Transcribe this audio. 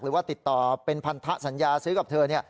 หรือว่าติดต่อเป็นพันธสัญญาซื้อกับเธอ